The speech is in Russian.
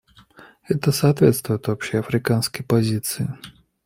Это соответствует общей африканской позиции.